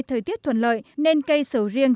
thời tiết thuận lợi nên cây sầu riêng